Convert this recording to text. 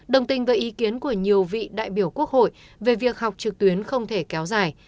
đồng tình với ý kiến của nhiều vị đại biểu quốc hội về việc học trực tuyến không thể kéo dài